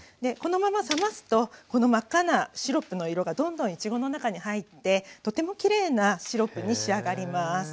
このまま冷ますとこの真っ赤なシロップの色がどんどんいちごの中に入ってとてもきれいなシロップに仕上がります。